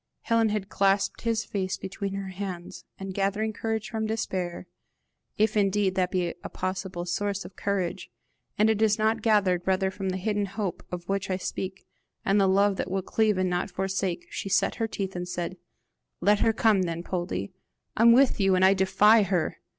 Helen clasped his face between her hands, and gathering courage from despair, if indeed that be a possible source of courage, and it is not gathered rather from the hidden hope of which I speak, and the love that will cleave and not forsake, she set her teeth, and said: "Let her come then, Poldie! I am with you, and I defy her!